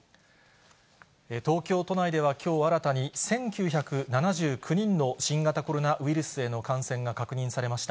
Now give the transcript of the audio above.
東京都内ではきょう、新たに、１９７９人の新型コロナウイルスへの感染が確認されました。